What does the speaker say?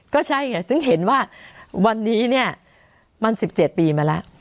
ก็ใช่ไงซึ่งเห็นว่าวันนี้เนี่ยมัน๑๗ปีมาแล้ว